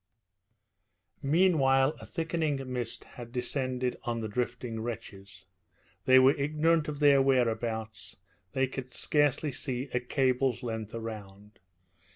Meanwhile a thickening mist had descended on the drifting wretches. They were ignorant of their whereabouts, they could scarcely see a cable's length around.